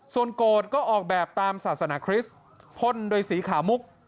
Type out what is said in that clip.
ส่วนโกรธก็ออกแบบตามศาสนาคริสต์พ่นโดยสีขาวมุก